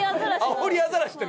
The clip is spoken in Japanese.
アオリアザラシって